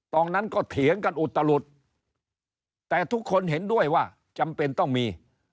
ตอนนั้นก็เถียงกันอุตลุดแต่ทุกคนเห็นด้วยว่าจำเป็นต้องมี